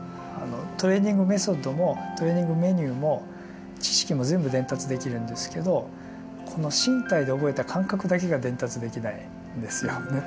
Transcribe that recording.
トレーニングメソッドもトレーニングメニューも知識も全部伝達できるんですけどこの身体で覚えた感覚だけが伝達できないんですよね。